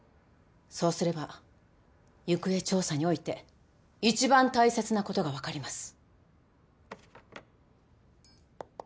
そうすれば行方調査において一番大切なことが分かります。